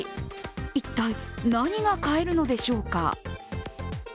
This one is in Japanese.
一体、何が買えるのでしょうか？